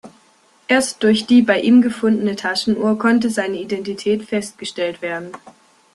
Erst durch die bei ihm gefundene Taschenuhr konnte sein Identität festgestellt werden.